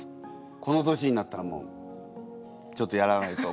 この年になったらもうちょっとやらないと。